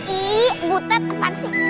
ii butet apa sih